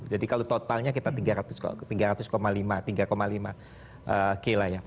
jadi kalau totalnya kita rp tiga ratus rp tiga lima juta